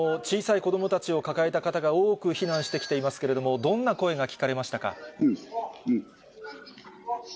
小さい子どもたちを抱えた方が多く避難してきていますけれども、どんな声が聞かれましたか。